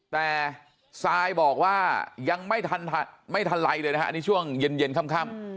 แต่ซายบอกว่ายังไม่ทันไรเลยนะฮะอันนี้ช่วงเย็นค่ำ